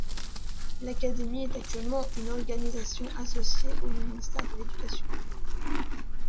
L'Académie est actuellement une organisation associée au ministère de l'éducation.